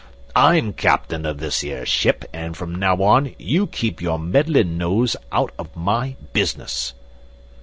I'm captain of this here ship, and from now on you keep your meddling nose out of my business."